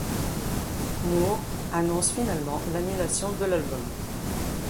Moore annonce finalement l'annulation de l'album '.